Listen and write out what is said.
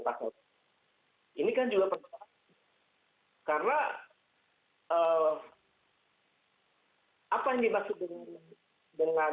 pendodaan dengan narasi yang tidak terlalu terangkan oleh golan dan lain lain